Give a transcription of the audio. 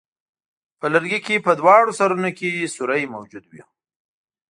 په لرګي کې په دواړو سرونو کې سوری موجود وو.